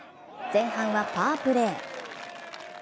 前半はパープレー。